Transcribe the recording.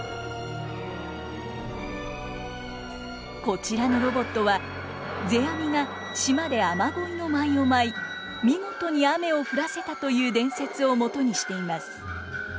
こちらのロボットは世阿弥が島で雨乞いの舞を舞い見事に雨を降らせたという伝説をもとにしています。